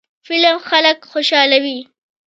فلم خلک خوشحالوي